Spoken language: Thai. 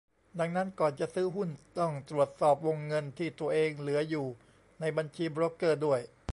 ดังนั้น ก่อนจะซื้อหุ้นต้องตรวจสอบวงเงินที่ตัวเองเหลืออยู่ในบัญชีโบรกเกอร์ด้วย